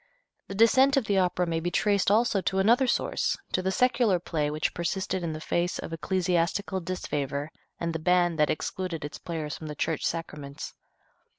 The descent of the Opera may be traced also to another source, to the secular play which persisted in the face of ecclesiastical disfavor and the ban that excluded its players from the church sacraments.